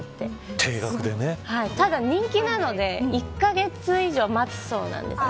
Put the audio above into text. ただ、人気なので１カ月以上待つそうなんです。